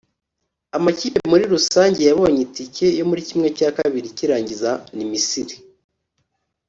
Amakipe muri rusange yabonye itike yo muri ½ cy’irangiza ni Misiri